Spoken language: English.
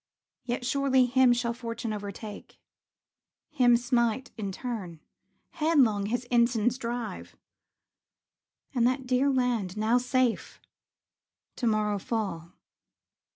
Yet surely him shall fortune overtake, Him smite in turn, headlong his ensigns drive; And that dear land, now safe, to morrow fall.